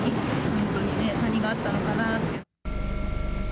本当にね、何があったのかなあって。